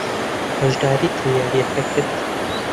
بەشداریت لە یارییەکە کرد؟